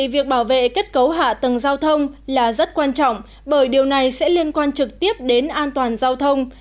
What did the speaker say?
việc bảo vệ kết cấu hạ tầng giao thông là rất quan trọng bởi điều này sẽ liên quan trực tiếp đến an toàn giao thông